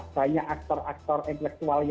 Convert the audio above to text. banyak aktor aktor eklektualnya